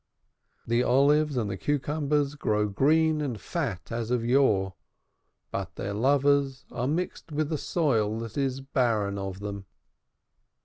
The olives and the cucumbers grow green and fat as of yore, but their lovers are mixed with a soil that is barren of them.